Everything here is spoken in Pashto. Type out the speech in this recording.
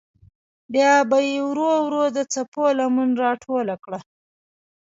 بیا به یې ورو ورو د څپو لمن راټوله کړه.